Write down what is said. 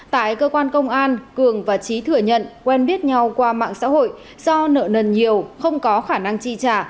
tại cơ quan công an cường và trí thừa nhận quen biết nhau qua mạng xã hội do nợ nần nhiều không có khả năng chi trả